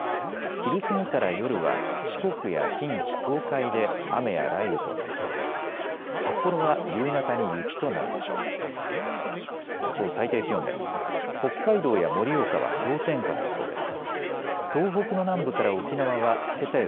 昼過ぎから夜は四国や近畿、東海で雨や雷雨となりそうです。